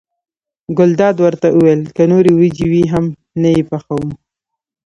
ګلداد ورته وویل که نورې وریجې وي هم نه یې پخوم.